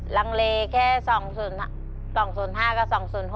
ลังเลแค่๒๐๕กับ๒๐๖